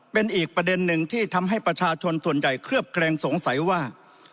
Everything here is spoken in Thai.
เป็นอีกประเด็นหนึ่งที่ทำให้ประชาชนส่วนใหญ่เคลือบแคลงสงสัยว่า